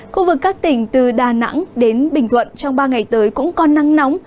khu vực các tỉnh từ đà nẵng đến bình thuận trong ba ngày tới cũng có nắng nóng